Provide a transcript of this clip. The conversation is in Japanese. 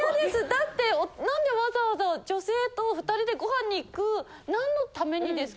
だってなんでわざわざ女性と２人でごはんに行く何のためにですか？